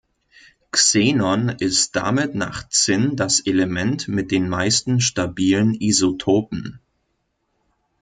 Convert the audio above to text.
Xenon ist damit nach Zinn das Element mit den meisten stabilen Isotopen.